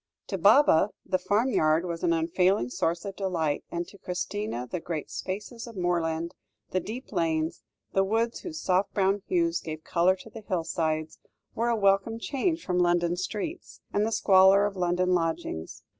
To Baba, the farmyard was an unfailing source of delight; and to Christina, the great spaces of moorland, the deep lanes, the woods whose soft brown hues gave colour to the hillsides, were a welcome change from London streets, and the squalor of London lodgings.